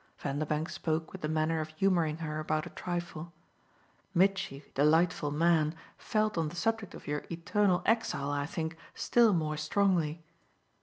Vanderbank spoke with the manner of humouring her about a trifle. "Mitchy, delightful man, felt on the subject of your eternal exile, I think, still more strongly."